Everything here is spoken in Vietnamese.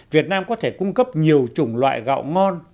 việt nam có thể cung cấp nhiều chủng loại gạo ngon